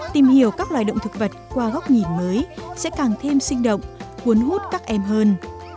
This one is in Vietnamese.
tìm hiểu các loài động thực vật qua góc nhìn mới sẽ càng thêm sinh động cuốn hút các em hơn